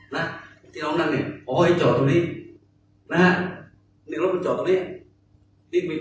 นะที่น้องนั่งเนี่ยอ๋อให้จอดตรงนี้